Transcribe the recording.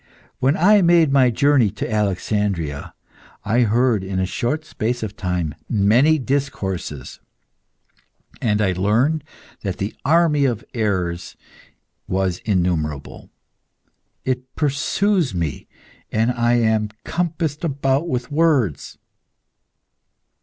When I made my journey to Alexandria, I heard, in a short space of time, many discourses, and I learned that the army of errors was innumerable. It pursues me, and I am compassed about with swords."